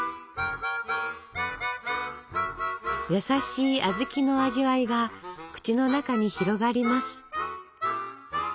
優しい小豆の味わいが口の中に広がります。